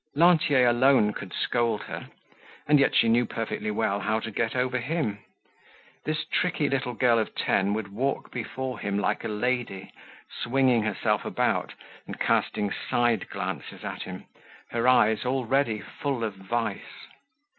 Lantier alone could scold her; and yet she knew perfectly well how to get over him. This tricky little girl of ten would walk before him like a lady, swinging herself about and casting side glances at him, her eyes already full of vice.